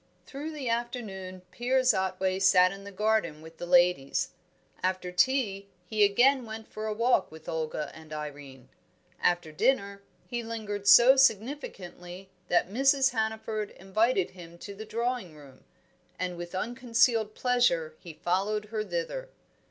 Through the afternoon Piers Otway sat in the garden with the ladies. After tea he again went for a walk with Olga and Irene. After dinner he lingered so significantly that Mrs. Hannaford invited him to the drawing room, and with unconcealed pleasure he followed her thither.